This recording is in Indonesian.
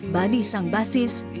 badi sang basis